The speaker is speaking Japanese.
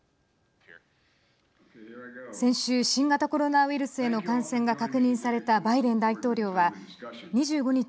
先週、新型コロナウイルスへの感染が確認されたバイデン大統領は２５日